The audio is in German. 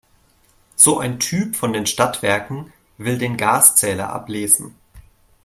So ein Typ von den Stadtwerken will den Gaszähler ablesen.